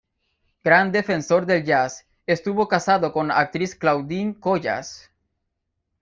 Gran defensor del jazz, estuvo casado con la actriz Claudine Collas.